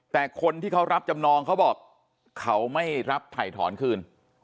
แต่คนที่เขารับจำนองเขาบอกเขาไม่รับถ่ายถอนคืน